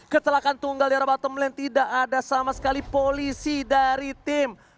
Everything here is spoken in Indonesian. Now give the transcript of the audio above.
kecelakaan tunggal di arah bottom land tidak ada sama sekali polisi dari tim